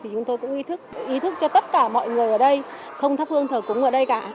chúng tôi cũng ý thức cho tất cả mọi người ở đây không thắp hương thở cúng ở đây cả